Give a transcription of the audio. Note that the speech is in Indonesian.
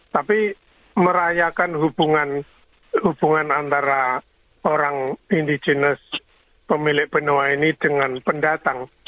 tapi merayakan hubungan antara orang indigenous pemilik benua ini dengan pendatang